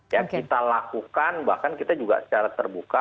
ya kita lakukan bahkan kita juga secara terbuka